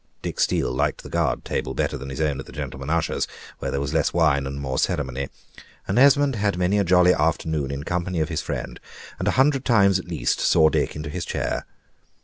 Dick Steele liked the Guard table better than his own at the gentlemen ushers', where there was less wine and more ceremony; and Esmond had many a jolly afternoon in company of his friend, and a hundred times at least saw Dick into his chair.